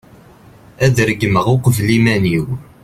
ad regmeɣ uqbel iman-iw